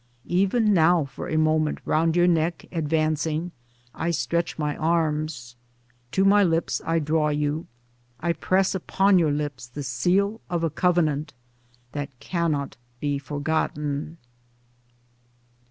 Even now for a moment round your neck, advancing, I stretch my arms ; to my lips I draw you, I press upon your lips the seal of a covenant that cannot be forgotten.